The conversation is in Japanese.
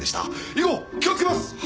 以後気をつけます！